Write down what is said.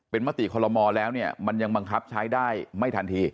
มติคอลโลมอลแล้วเนี่ยมันยังบังคับใช้ได้ไม่ทันที